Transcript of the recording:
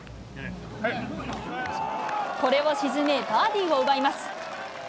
これを沈めバーディーを奪います。